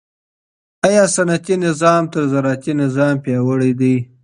آیا صنعتي نظام تر زراعتي نظام پیاوړی دی؟